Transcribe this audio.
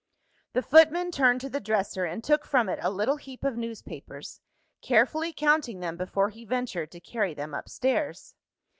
The footman turned to the dresser, and took from it a little heap of newspapers; carefully counting them before he ventured to carry them upstairs.